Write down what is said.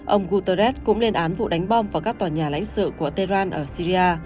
ông guterres cũng lên án vụ đánh bom vào các tòa nhà lãnh sự của tehran ở syria